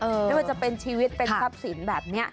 ไม่ว่าจะเป็นชีวิตเป็นทรัพย์สินแบบนี้